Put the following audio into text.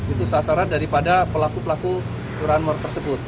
itu sasaran daripada pelaku pelaku curian mor tersebut